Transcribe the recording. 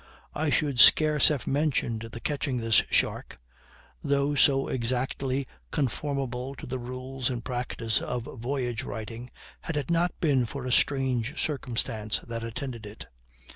I should scarce have mentioned the catching this shark, though so exactly conformable to the rules and practice of voyage writing, had it not been for a strange circumstance that attended it.